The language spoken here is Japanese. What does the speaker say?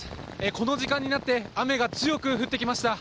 この時間になって、雨が強く降ってきました。